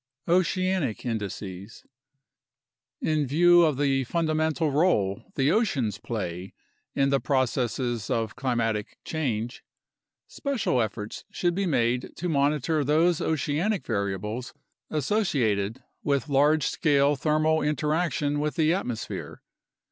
Oceanic Indices In view of the fundamental role the oceans play in the processes of climatic change, special efforts should be made to monitor those oceanic variables associated with large scale thermal interaction with the atmosphere.